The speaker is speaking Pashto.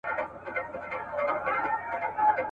ماته مي پیاله کړه میخانې را پسي مه ګوره !.